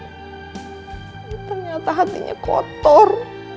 tapi ternyata hatinya kotor